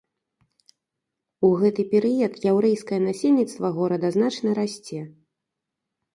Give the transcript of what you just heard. У гэты перыяд яўрэйскае насельніцтва горада значна расце.